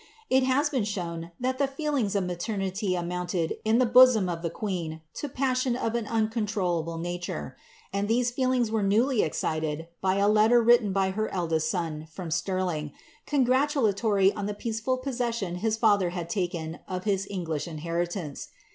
It has been shown that the feelings of maternity amounted, in the bosom of the queen, to passion of an uncontrolUble nature ; and these feelings were newly excited by a letter written by her eldest son, from Stirling, congratulatory on the peaceful possession his father had taken of his English inheritance.